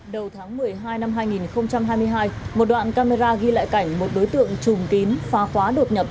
đầu tháng một mươi hai năm hai nghìn hai mươi hai một đoạn camera ghi lại cảnh một đối tượng trùng kín phá khóa đột nhập